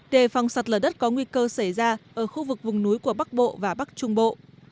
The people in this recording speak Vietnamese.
đề phòng sạt lở đất có nguy cơ xảy ra ở khu vực vùng núi của bắc bộ và bắc trung bộ